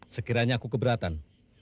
sekiranya aku keberatan